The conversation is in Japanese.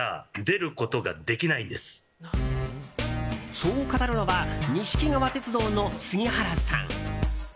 そう語るのは錦川鉄道の杉原さん。